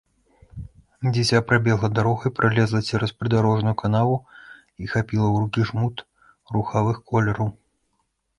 Дзіця пабегла дарогай, пералезла цераз прыдарожную канаву і хапіла ў рукі жмут рухавых колераў.